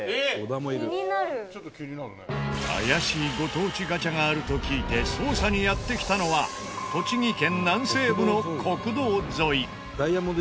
怪しいご当地ガチャがあると聞いて捜査にやって来たのは栃木県南西部の国道沿い。